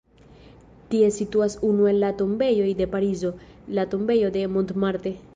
Tie situas unu el la tombejoj de Parizo, la tombejo de Montmartre.